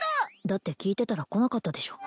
だって聞いてたら来なかったでしょ